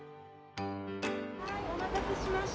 はいお待たせしました。